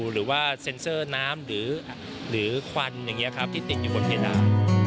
หรือว่าเซ็นเซอร์น้ำหรือควันอย่างนี้ครับที่ติดอยู่บนเพดาน